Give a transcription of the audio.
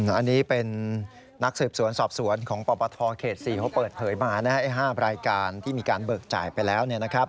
อันนี้เป็นนักสืบสวนสอบสวนของปปทเขต๔เขาเปิดเผยมา๕รายการที่มีการเบิกจ่ายไปแล้ว